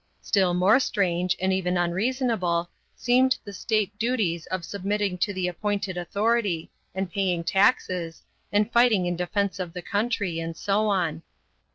Still more strange, and even unreasonable, seemed the state duties of submitting to the appointed authority, and paying taxes, and fighting in defense of the country, and so on.